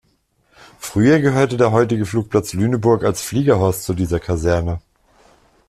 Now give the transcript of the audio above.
Früher gehörte der heutige Flugplatz Lüneburg als Fliegerhorst zu dieser Kaserne.